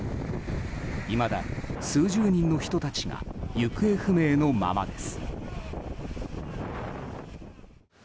いまだ数十人の人たちが行方不明のままです。